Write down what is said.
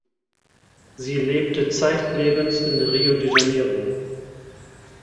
Sie lebte zeitlebens in Rio de Janeiro.